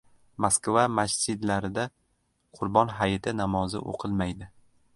Moskva masjidlarida Qurbon hayiti namozi o‘qilmaydi